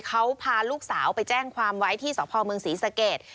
เขาพาลูกสาวไปแจ้งความไว้ที่สพเมืองศรีสเกต